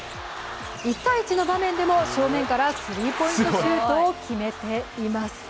１対１の場面でも正面からスリーポイントシュートを決めています。